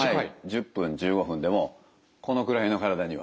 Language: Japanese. １０分１５分でもこのくらいの体には。